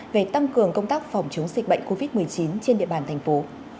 về tăng cường công tác phòng chống dịch bệnh covid một mươi chín trên địa bàn thành phố